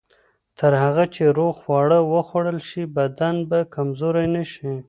تر هغه چې روغ خواړه وخوړل شي، بدن به کمزوری نه شي.